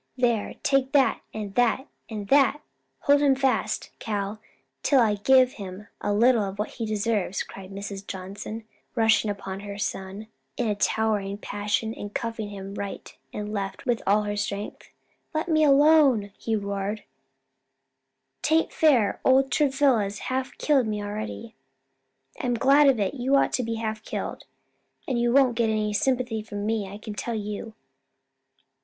There, take that, and that and that! Hold him fast, Cal, till I give him a little of what he deserves," cried Mrs. Johnson, rushing upon her son, in a towering passion, and cuffing him right and left with all her strength. "Let me alone!" he roared; "'taint fair; old Travilla's half killed me already." "I'm glad of it! You ought to be half killed, and you won't get any sympathy from me, I can tell you."